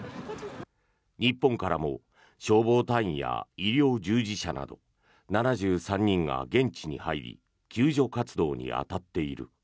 日本からも消防隊員や医療従事者など７３人が現地に入り救助活動に当たっている。